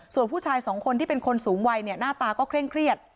ส่วนผู้ชายสองคนที่เป็นคนสูงวัยเนี่ยหน้าตาก็เคร่งเครียด